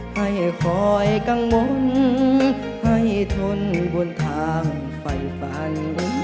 ให้คอยกังวลให้ทนบนทางไฟฝัน